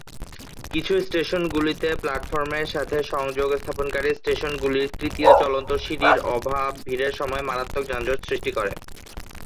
কিছু স্টেশনগুলিতে প্ল্যাটফর্মের সাথে সংযোগ স্থাপনকারী স্টেশনগুলির তৃতীয় চলন্ত সিঁড়ির অভাব ভিড়ের সময়ে মারাত্মক যানজট সৃষ্টি করে।